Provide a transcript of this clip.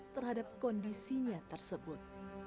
terhadap kondisinya tersebut